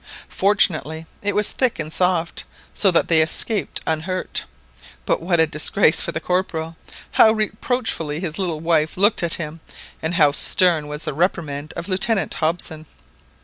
Fortunately it was thick and soft, so that they escaped unhurt. But what a disgrace for the Corporal! how reproachfully his little wife looked at him, and how stern was the reprimand of Lieutenant Hobson!